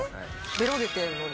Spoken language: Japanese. ベロ出てんのに？